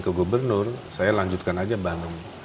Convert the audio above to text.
ke gubernur saya lanjutkan aja bandung